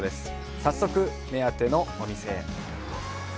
早速、目当てのお店へ。